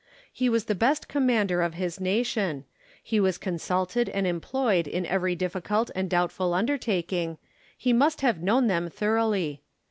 He was the best commander of his nation ; he was consulted and employed in every difficult and doubtful undertaking : he must have known them thoroughly.